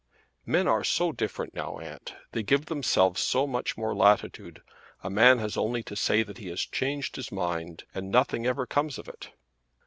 "Men are so different now, aunt. They give themselves so much more latitude. A man has only to say that he has changed his mind and nothing ever comes of it."